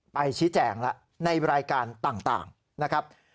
ไปชี้แจงแล้วในรายการต่างนะครับ